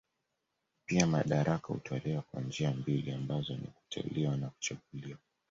Pia madaraka hutolewa kwa njia mbili ambazo ni kuteuliwa na kuchaguliwa.